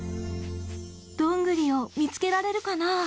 どんぐりを見つけられるかな？